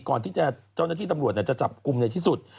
ที่เจ้าหน้าที่ตำรวจจะจับกลุ่มในที่สุด